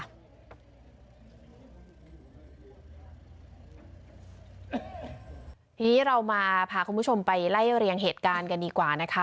ทีนี้เรามาพาคุณผู้ชมไปไล่เรียงเหตุการณ์กันดีกว่านะคะ